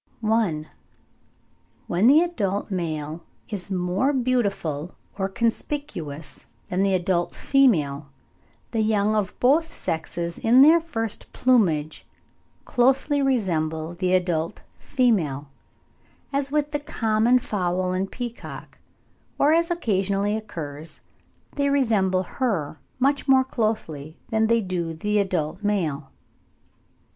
I. When the adult male is more beautiful or conspicuous than the adult female, the young of both sexes in their first plumage closely resemble the adult female, as with the common fowl and peacock; or, as occasionally occurs, they resemble her much more closely than they do the adult male.